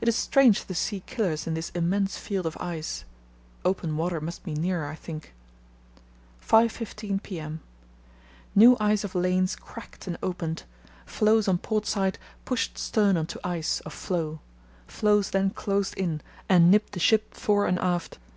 It is strange to see killers in this immense field of ice; open water must be near, I think. 5.15 p.m.—New ice of lanes cracked and opened. Floes on port side pushed stern on to ice (of floe); floes then closed in and nipped the ship fore and aft.